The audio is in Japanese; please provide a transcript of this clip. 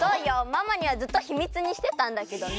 ママにはずっとヒミツにしてたんだけどね。